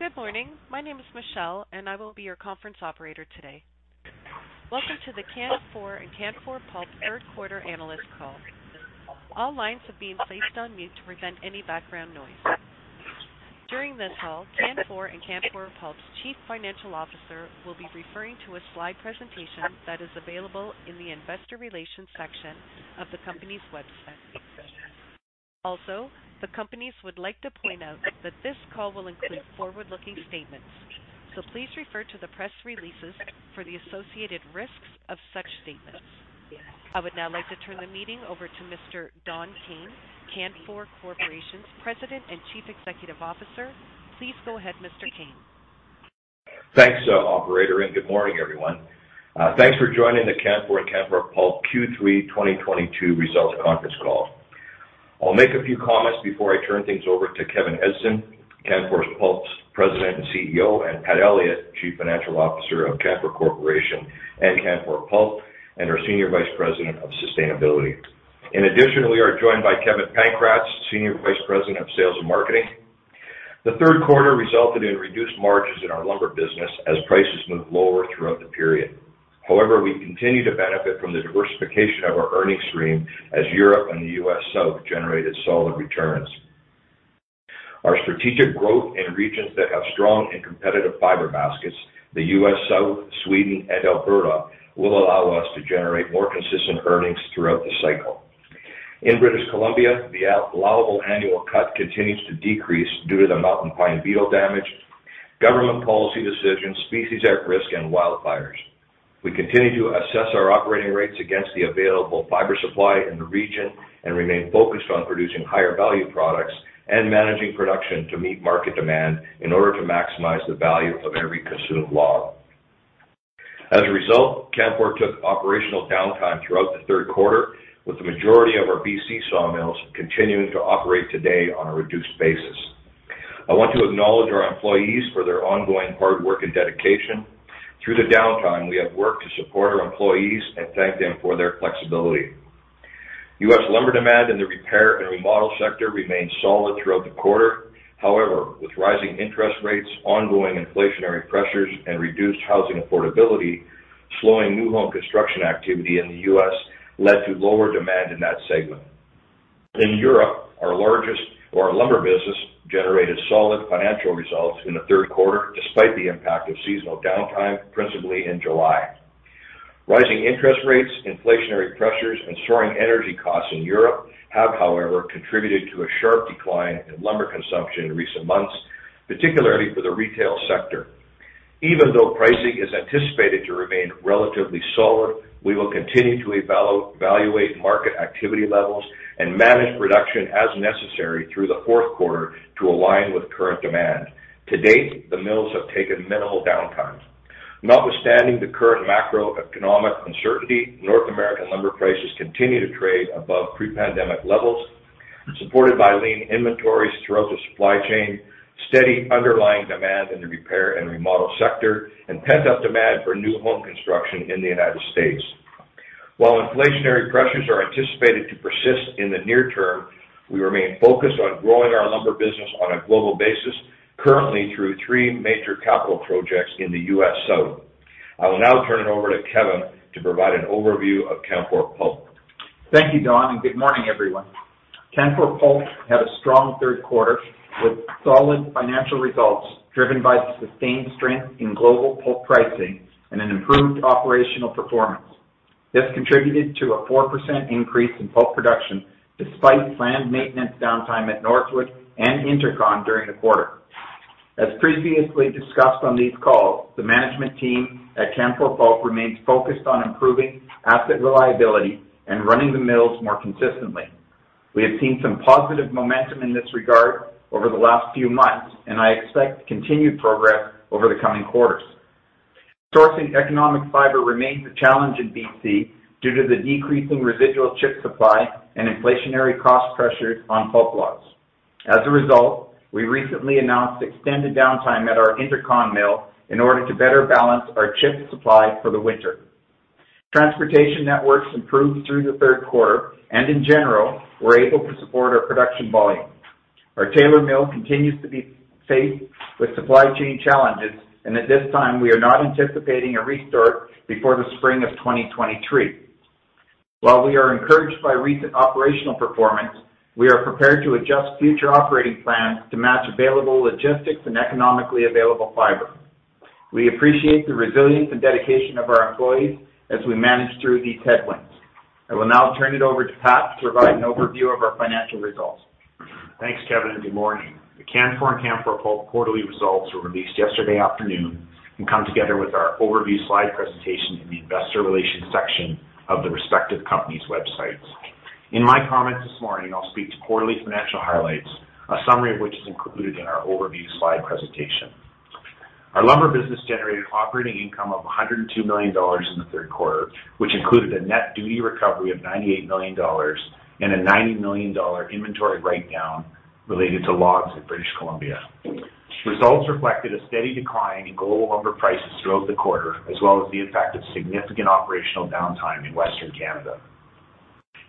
Good morning. My name is Michelle, and I will be your conference operator today. Welcome to the Canfor and Canfor Pulp third quarter analyst call. All lines have been placed on mute to prevent any background noise. During this call, Canfor and Canfor Pulp's Chief Financial Officer will be referring to a slide presentation that is available in the investor relations section of the company's website. Also, the companies would like to point out that this call will include forward-looking statements, so please refer to the press releases for the associated risks of such statements. I would now like to turn the meeting over to Mr. Don Kayne, Canfor Corporation's President and Chief Executive Officer. Please go ahead, Mr. Kayne. Thanks, operator, and good morning, everyone. Thanks for joining the Canfor and Canfor Pulp Q3 2022 Results Conference Call. I'll make a few comments before I turn things over to Kevin Edgson, Canfor Pulp's President and CEO, and Pat Elliott, Chief Financial Officer of Canfor Corporation and Canfor Pulp and our Senior Vice President of Sustainability. In addition, we are joined by Kevin Pankratz, Senior Vice President of Sales and Marketing. The third quarter resulted in reduced margins in our lumber business as prices moved lower throughout the period. However, we continue to benefit from the diversification of our earnings stream as Europe and the U.S. South generated solid returns. Our strategic growth in regions that have strong and competitive fiber baskets, the U.S. South, Sweden, and Alberta, will allow us to generate more consistent earnings throughout the cycle. In British Columbia, the allowable annual cut continues to decrease due to the mountain pine beetle damage, government policy decisions, species at risk, and wildfires. We continue to assess our operating rates against the available fiber supply in the region and remain focused on producing higher value products and managing production to meet market demand in order to maximize the value of every consumed log. As a result, Canfor took operational downtime throughout the third quarter, with the majority of our B.C. sawmills continuing to operate today on a reduced basis. I want to acknowledge our employees for their ongoing hard work and dedication. Through the downtime, we have worked to support our employees and thank them for their flexibility. U.S. lumber demand in the repair and remodel sector remained solid throughout the quarter. However, with rising interest rates, ongoing inflationary pressures, and reduced housing affordability, slowing new home construction activity in the U.S. led to lower demand in that segment. In Europe, our lumber business generated solid financial results in the third quarter, despite the impact of seasonal downtime, principally in July. Rising interest rates, inflationary pressures, and soaring energy costs in Europe have, however, contributed to a sharp decline in lumber consumption in recent months, particularly for the retail sector. Even though pricing is anticipated to remain relatively solid, we will continue to evaluate market activity levels and manage production as necessary through the fourth quarter to align with current demand. To date, the mills have taken minimal down. Notwithstanding the current macroeconomic uncertainty, North American lumber prices continue to trade above pre-pandemic levels, supported by lean inventories throughout the supply chain, steady underlying demand in the repair and remodel sector, and pent-up demand for new home construction in the United States. While inflationary pressures are anticipated to persist in the near term, we remain focused on growing our lumber business on a global basis, currently through three major capital projects in the U.S. South. I will now turn it over to Kevin to provide an overview of Canfor Pulp. Thank you, Don, and good morning, everyone. Canfor Pulp had a strong third quarter with solid financial results driven by the sustained strength in global pulp pricing and an improved operational performance. This contributed to a 4% increase in pulp production despite planned maintenance downtime at Northwood and Intercon during the quarter. As previously discussed on these calls, the management team at Canfor Pulp remains focused on improving asset reliability and running the mills more consistently. We have seen some positive momentum in this regard over the last few months, and I expect continued progress over the coming quarters. Sourcing economic fiber remains a challenge in B.C. due to the decreasing residual chip supply and inflationary cost pressures on pulp logs. As a result, we recently announced extended downtime at our Intercon mill in order to better balance our chip supply for the winter. Transportation networks improved through the third quarter, and in general, we're able to support our production volume. Our Taylor mill continues to be faced with supply chain challenges, and at this time, we are not anticipating a restart before the spring of 2023. While we are encouraged by recent operational performance, we are prepared to adjust future operating plans to match available logistics and economically available fiber. We appreciate the resilience and dedication of our employees as we manage through these headwinds. I will now turn it over to Pat to provide an overview of our financial results. Thanks, Kevin, and good morning. The Canfor and Canfor Pulp quarterly results were released yesterday afternoon and come together with our overview slide presentation in the investor relations section of the respective company's websites. In my comments this morning, I'll speak to quarterly financial highlights, a summary of which is included in our overview slide presentation. Our lumber business generated operating income of 102 million dollars in the third quarter, which included a net duty recovery of 98 million dollars and a 90 million dollar inventory write-down related to logs in British Columbia. Results reflected a steady decline in global lumber prices throughout the quarter, as well as the effect of significant operational downtime in Western Canada.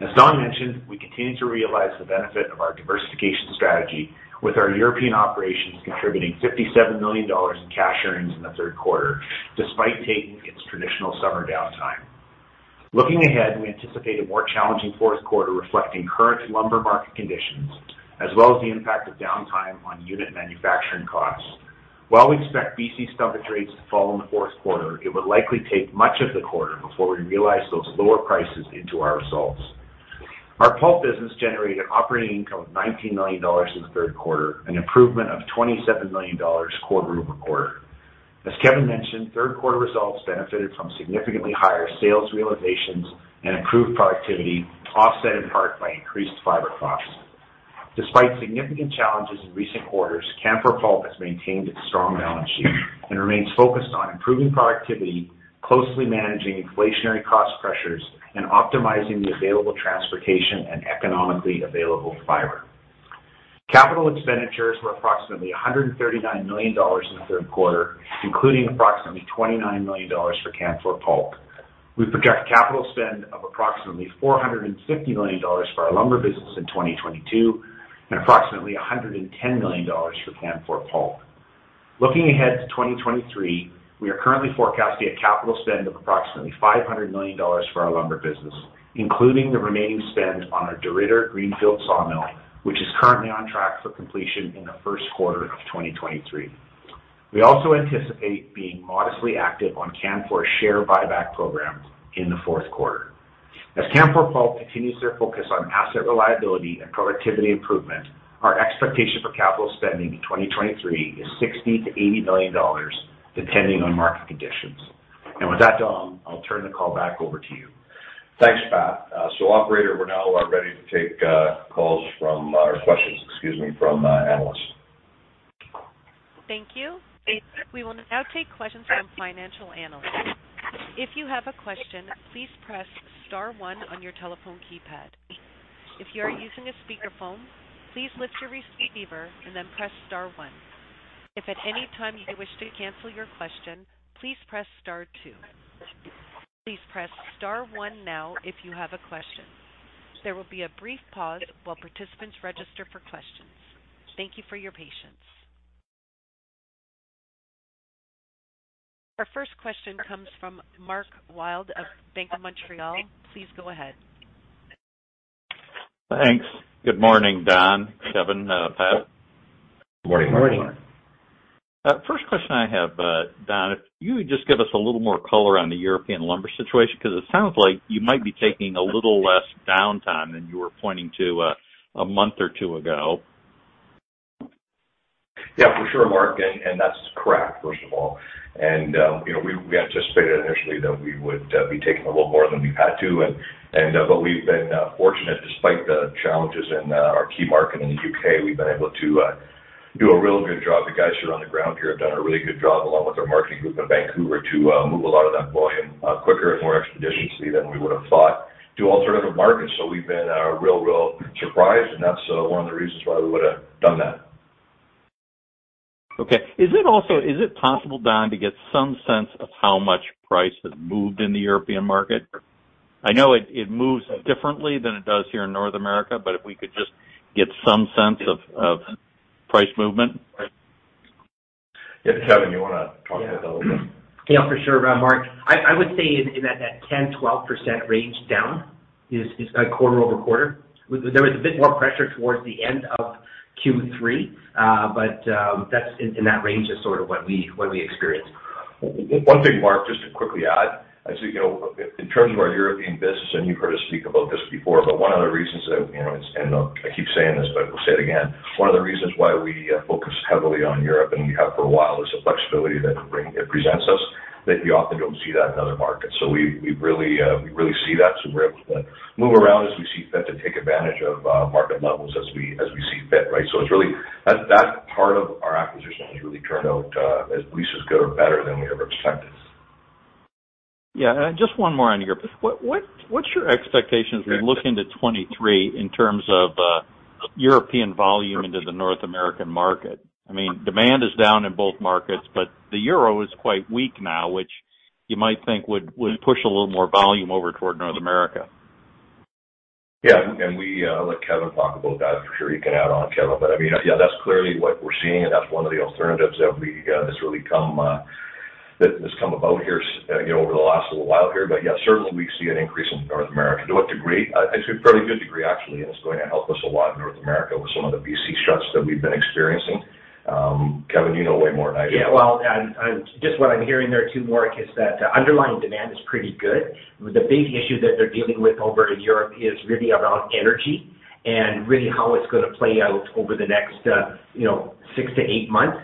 As Don mentioned, we continue to realize the benefit of our diversification strategy with our European operations contributing 57 million dollars in cash earnings in the third quarter, despite taking its traditional summer downtime. Looking ahead, we anticipate a more challenging fourth quarter reflecting current lumber market conditions as well as the impact of downtime on unit manufacturing costs. While we expect B.C. stumpage rates to fall in the fourth quarter, it would likely take much of the quarter before we realize those lower prices into our results. Our pulp business generated operating income of 19 million dollars in the third quarter, an improvement of 27 million dollars quarter-over-quarter. As Kevin mentioned, third quarter results benefited from significantly higher sales realizations and improved productivity, offset in part by increased fiber costs. Despite significant challenges in recent quarters, Canfor Pulp has maintained its strong balance sheet and remains focused on improving productivity, closely managing inflationary cost pressures, and optimizing the available transportation and economically available fiber. Capital expenditures were approximately 139 million dollars in the third quarter, including approximately 29 million dollars for Canfor Pulp. We project capital spend of approximately 450 million dollars for our lumber business in 2022 and approximately 110 million dollars for Canfor Pulp. Looking ahead to 2023, we are currently forecasting a capital spend of approximately 500 million dollars for our lumber business, including the remaining spend on our DeRidder greenfield sawmill, which is currently on track for completion in the first quarter of 2023. We also anticipate being modestly active on Canfor's share buyback program in the fourth quarter. As Canfor Pulp continues their focus on asset reliability and productivity improvement, our expectation for capital spending in 2023 is 60 million-80 million dollars, depending on market conditions. With that, Don, I'll turn the call back over to you. Thanks, Pat. Operator, we're now ready to take calls from or questions, excuse me, from analysts. Thank you. We will now take questions from financial analysts. If you have a question, please press star one on your telephone keypad. If you are using a speakerphone, please lift your receiver and then press star one. If at any time you wish to cancel your question, please press star two. Please press star one now if you have a question. There will be a brief pause while participants register for questions. Thank you for your patience. Our first question comes from Mark Wilde of Bank of Montreal. Please go ahead. Thanks. Good morning, Don, Kevin, Pat. Good morning, Mark. Morning. First question I have, Don, if you would just give us a little more color on the European lumber situation because it sounds like you might be taking a little less downtime than you were pointing to, a month or two ago. Yeah, for sure, Mark, and that's correct, first of all. You know, we anticipated initially that we would be taking a little more than we've had to. We've been fortunate despite the challenges in our key market in the U.K. We've been able to do a real good job. The guys who are on the ground here have done a really good job along with our marketing group in Vancouver to move a lot of that volume quicker and more expeditiously than we would have thought to alternative markets. We've been real surprised, and that's one of the reasons why we would have done that. Okay. Is it possible, Don, to get some sense of how much price has moved in the European market? I know it moves differently than it does here in North America, but if we could just get some sense of price movement. Yeah. Kevin, you wanna talk to that a little bit? Yeah, for sure, Mark. I would say in that 10%-12% range down is like quarter-over-quarter. There was a bit more pressure towards the end of Q3, but that's in that range is sort of what we experienced. One thing, Mark, just to quickly add. As you know, in terms of our European business, and you've heard us speak about this before, but one of the reasons that, you know, and I keep saying this, but I'll say it again. One of the reasons why we focus heavily on Europe, and we have for a while, is the flexibility that it presents us that we often don't see that in other markets. We really see that, so we're able to move around as we see fit to take advantage of market levels as we see fit, right? It's really that part of our acquisition has really turned out at least as good or better than we ever expected. Yeah. Just one more on Europe. What's your expectations as we look into 2023 in terms of European volume into the North American market? I mean, demand is down in both markets, but the euro is quite weak now, which you might think would push a little more volume over toward North America. Yeah. I'll let Kevin talk about that for sure. You can add on, Kevin. I mean, yeah, that's clearly what we're seeing, and that's one of the alternatives that has come about here, you know, over the last little while here. Yeah, certainly we see an increase in North America. To what degree? I'd say a fairly good degree, actually, and it's going to help us a lot in North America with some of the B.C. shuts that we've been experiencing. Kevin, you know way more than I do. Yeah. Well, just what I'm hearing there too, Mark, is that underlying demand is pretty good. The big issue that they're dealing with over in Europe is really around energy and really how it's gonna play out over the next, you know, six to eight months.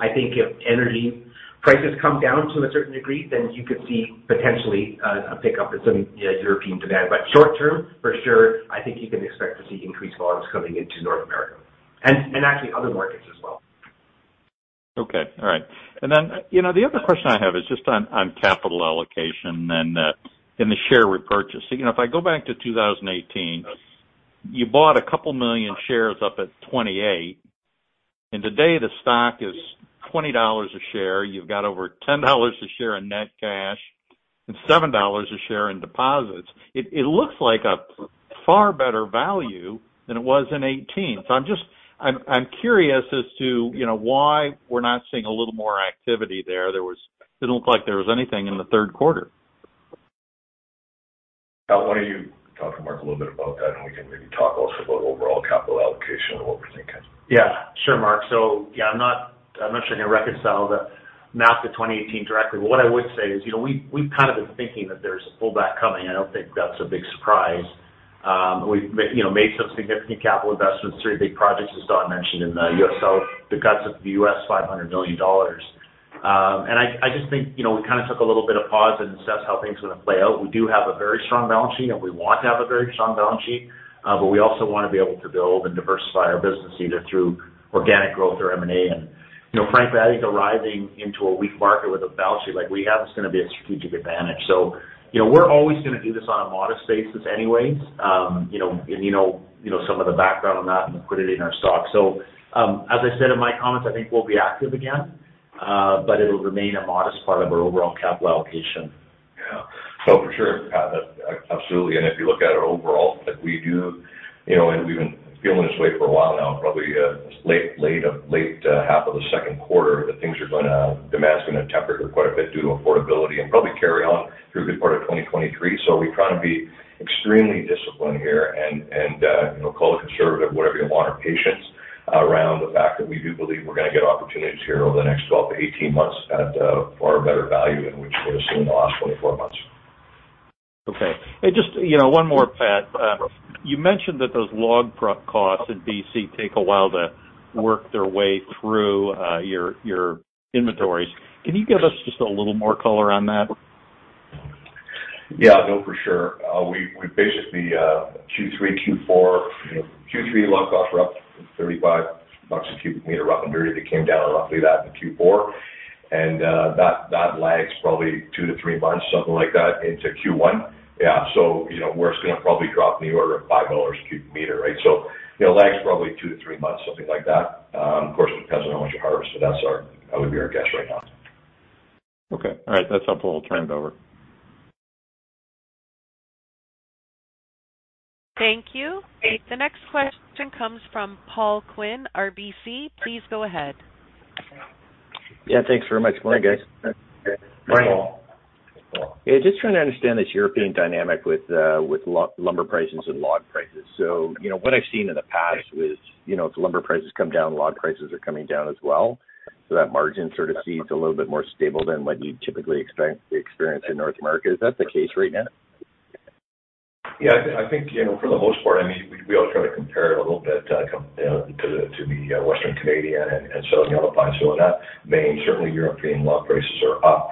I think if energy prices come down to a certain degree, then you could see potentially a pickup in some, you know, European demand. Short term, for sure, I think you can expect to see increased volumes coming into North America and actually other markets as well. Okay. All right. You know, the other question I have is just on capital allocation and in the share repurchase. You know, if I go back to 2018- Yes. You bought a couple million shares up at 28. Today the stock is 20 dollars a share. You've got over 10 dollars a share in net cash and 7 dollars a share in deposits. It looks like a far better value than it was in 2018. I'm just curious as to, you know, why we're not seeing a little more activity there. It didn't look like there was anything in the third quarter. Pat, why don't you talk to Mark a little bit about that, and we can maybe talk also about overall capital allocation and what we're thinking. Yeah. Sure, Mark. Yeah, I'm not sure I can reconcile the math to 2018 directly. What I would say is, you know, we've kind of been thinking that there's a pullback coming. I don't think that's a big surprise. We've made some significant capital investments, three big projects, as Don mentioned, in the U.S. South because of the $500 million. I just think, you know, we kind of took a little bit of pause and assess how things are gonna play out. We do have a very strong balance sheet, and we want to have a very strong balance sheet, but we also wanna be able to build and diversify our business, either through organic growth or M&A. You know, frankly, I think arriving into a weak market with a balance sheet like we have is gonna be a strategic advantage. You know, we're always gonna do this on a modest basis anyway. You know some of the background on that and liquidity in our stock. As I said in my comments, I think we'll be active again, but it'll remain a modest part of our overall capital allocation. Yeah. For sure, absolutely. If you look at it overall, like we do, you know, and we've been feeling this way for a while now, probably, latter half of the second quarter, that demand's gonna temper quite a bit due to affordability and probably carry on through a good part of 2023. We're trying to be extremely disciplined here and, you know, call it conservative, whatever you want, or patience around the fact that we do believe we're gonna get opportunities here over the next 12-18 months at a far better value than we've sort of seen in the last 24 months. Okay. Just, you know, one more, Pat. You mentioned that those log prep costs in B.C. take a while to work their way through your inventories. Can you give us just a little more color on that? Yeah, no, for sure. We basically Q3, Q4, you know, Q3 log cost were up 35 bucks a cubic meter, rough and dirty. They came down roughly that in Q4. That lags probably two to three months, something like that, into Q1. Yeah. You know, we're just gonna probably drop in the order of 5 dollars a cubic meter, right? You know, lags probably two to three months, something like that. Of course it depends on how much you harvest, but that would be our guess right now. Okay. All right. That's helpful. I'll turn it over. Thank you. The next question comes from Paul Quinn, RBC. Please go ahead. Yeah. Thanks very much. Morning, guys. Morning. Morning, Paul. Yeah, just trying to understand this European dynamic with lumber prices and log prices. You know, what I've seen in the past is, you know, if lumber prices come down, log prices are coming down as well, so that margin sort of seems a little bit more stable than what you'd typically expect to experience in North America. Is that the case right now? I think, you know, for the most part, I mean, we always try to compare it a little bit, you know, to the Western Canadian and Southern Yellow Pine. In that vein, certainly European log prices are up,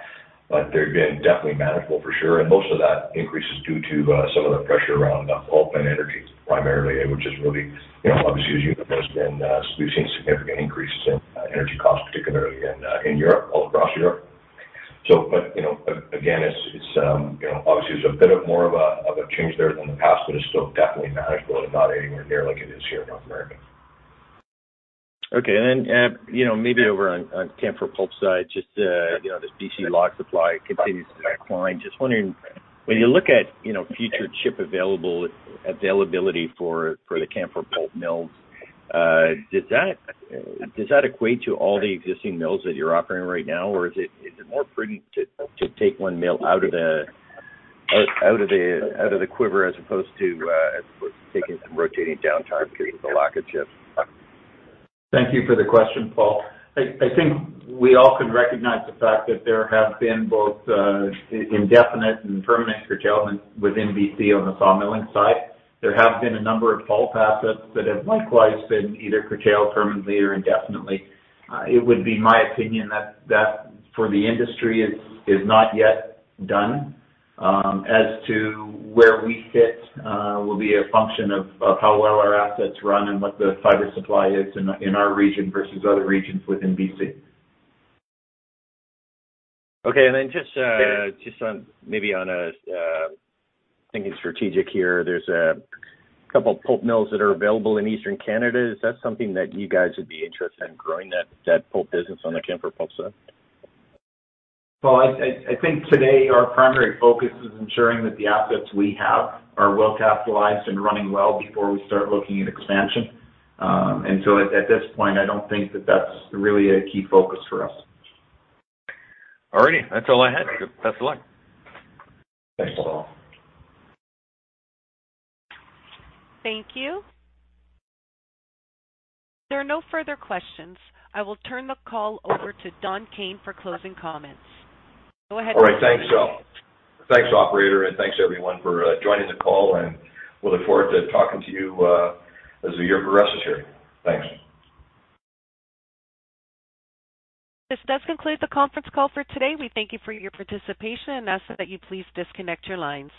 but they've been definitely manageable for sure. Most of that increase is due to some of the pressure around pulp and energy primarily, which is really, you know, obviously as you know, we've seen significant increases in energy costs, particularly in Europe, all across Europe. You know, again, it's you know, obviously it's a bit more of a change there than the past, but it's still definitely manageable and not anywhere near like it is here in North America. Okay. You know, maybe over on Canfor Pulp side, just, you know, the B.C. log supply continues to decline. Just wondering, when you look at, you know, future chip availability for the Canfor Pulp mills, does that equate to all the existing mills that you're operating right now? Or is it more prudent to take one mill out of the quiver as opposed to taking some rotating downtime to increase the log and chip? Thank you for the question, Paul. I think we all can recognize the fact that there have been both indefinite and permanent curtailments within B.C. on the sawmilling side. There have been a number of pulp assets that have likewise been either curtailed permanently or indefinitely. It would be my opinion that for the industry is not yet done. As to where we fit will be a function of how well our assets run and what the fiber supply is in our region versus other regions within B.C. Okay. Just maybe on a strategic thinking here, there's a couple of pulp mills that are available in Eastern Canada. Is that something that you guys would be interested in growing that pulp business on the Canfor Pulp side? Well, I think today our primary focus is ensuring that the assets we have are well capitalized and running well before we start looking at expansion. At this point, I don't think that that's really a key focus for us. All righty. That's all I had. Good. Best of luck. Thanks, Paul. Thank you. There are no further questions. I will turn the call over to Don Kayne for closing comments. Go ahead. All right. Thanks, operator, and thanks everyone for joining the call, and we'll look forward to talking to you as the year progresses here. Thanks. This does conclude the conference call for today. We thank you for your participation and ask that you please disconnect your lines.